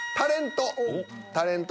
「タレント」。